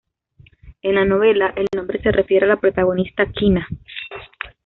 En la novela, el nombre se refiere a la protagonista, Quina.